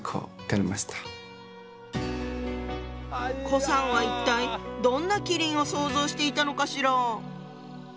顧さんは一体どんな麒麟を想像していたのかしら？